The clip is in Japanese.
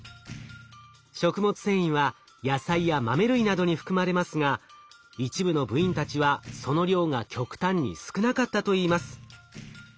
食物繊維は野菜や豆類などに含まれますが一部の部員たちはその量が極端に少なかったといいます。